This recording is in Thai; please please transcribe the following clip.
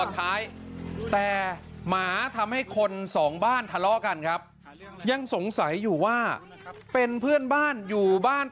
ถ่ายรูปกล้องกูอยู่